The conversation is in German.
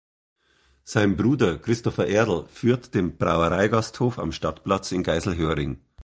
Sein Bruder Christopher Erl führt den Brauereigasthof am Stadtplatz in Geiselhöring.